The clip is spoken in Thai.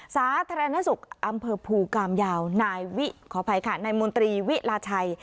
สาธารณสุขอำเภอภูกามยาวนายวิขออภัยค่ะนายมนตรีวิราชัย